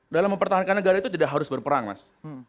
dalam mempertahankan negara itu tidak harus berperang mas